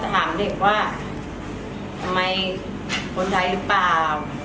ถามเด็กว่าทำไมคนไทยหรือเปล่า